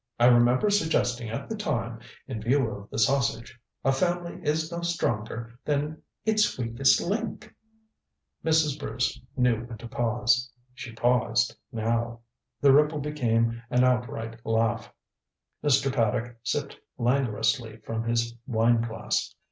I remember suggesting at the time, in view of the sausage: 'A family is no stronger than its weakest link.'" Mrs. Bruce knew when to pause. She paused now. The ripple became an outright laugh. Mr. Paddock sipped languorously from his wine glass.